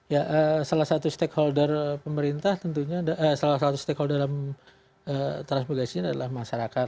ya salah satu stakeholder pemerintah tentunya salah satu stakeholder dalam transmigrasi ini adalah masyarakat